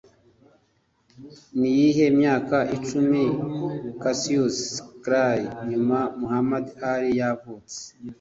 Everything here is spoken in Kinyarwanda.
Niyihe myaka icumi Cassius Clay- nyuma Muhammad Ali- yavutse?